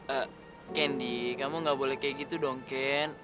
eh kendi kamu gak boleh kayak gitu dong ken